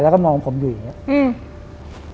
แล้วก็มองผมอยู่อย่างนี้